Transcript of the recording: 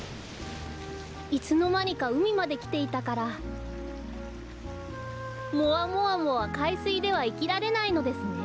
いつのまにかうみまできていたからもわもわもはかいすいではいきられないのですね。